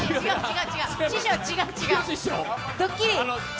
師匠、違う、違う。